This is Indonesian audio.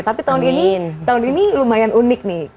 tapi tahun ini lumayan unik nih